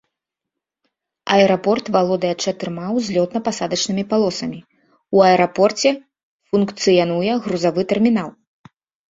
Аэрапорт валодае чатырма узлётна-пасадачнымі палосамі, у аэрапорце функцыянуе грузавы тэрмінал.